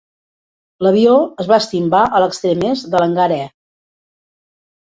L'avió es va estimbar a l'extrem est de l'hangar E.